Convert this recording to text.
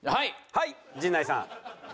はい陣内さん。